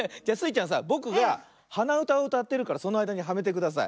ちゃんさぼくがはなうたをうたってるからそのあいだにはめてください。